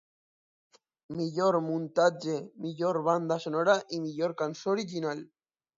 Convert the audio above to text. Millor muntatge, Millor banda sonora i Millor cançó original.